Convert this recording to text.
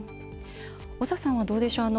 長さんはどうでしょう。